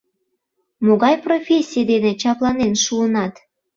Могай профессий дене чапланен шуынат?